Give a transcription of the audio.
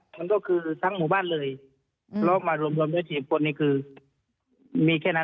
มันก็คือทั้งหมู่บ้านเลยอืม